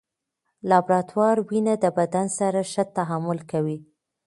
لابراتوار وینه د بدن سره ښه تعامل کوي.